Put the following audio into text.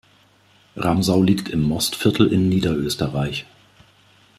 Ramsau liegt im Mostviertel in Niederösterreich.